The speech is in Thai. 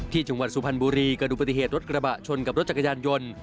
จังหวัดสุพรรณบุรีกระดูกปฏิเหตุรถกระบะชนกับรถจักรยานยนต์